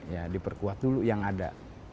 ya diperkuat dulu yang ada